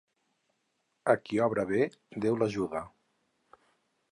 A qui obra bé, Déu l'ajuda.